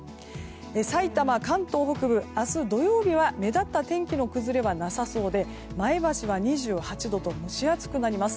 さいたま、関東北部明日土曜日は目立った天気の崩れはなさそうで前橋は２８度と蒸し暑くなります。